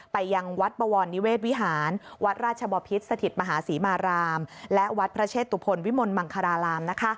ไปยังวัดบวรนิเวศวิหารวัดราชบพิษสถิตมหาศรีมารามและวัดพระเชตุพลวิมลมังคาราราม